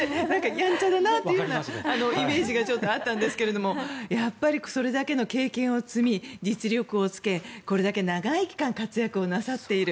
やんちゃだなというイメージがあったんですがやっぱりそれだけの経験を積み実力をつけこれだけ長い期間活躍をなさっている。